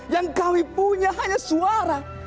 yang kami punya hanya suara